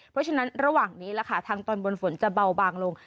เพราะฉะนั้นระหว่างนี้แหละค่ะทางตอนบนฝนจะเบาบางลง